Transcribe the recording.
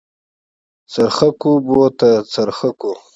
څرخکو بوته څرخکو.